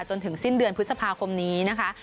จนถึงสิ้นเดือนพฤษภาคมนี้นะคะ